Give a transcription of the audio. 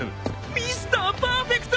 ミスターパーフェクト！